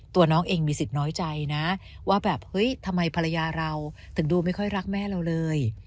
น้องเองมีสิทธิ์น้อยใจนะว่าแบบเฮ้ยทำไมภรรยาเราถึงดูไม่ค่อยรักแม่เราเลย